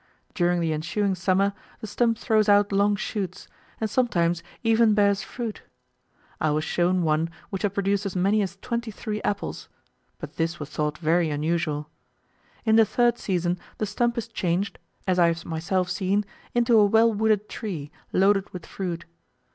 During the ensuing summer the stump throws out long shoots, and sometimes even bears fruit: I was shown one which had produced as many as twenty three apples, but this was thought very unusual. In the third season the stump is changed (as I have myself seen) into a well wooded tree, loaded with fruit.